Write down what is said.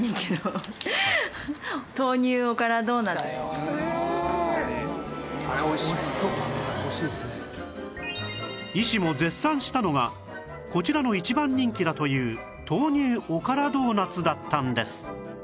しかしこちらの医師も絶賛したのがこちらの一番人気だという豆乳おからドーナツだったんです